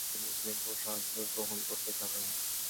তিনি মুসলিম পোশাক গ্রহণ করতে থাকেন।